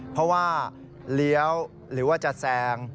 เพราะว่าเลี้ยวหรือว่าจะแซง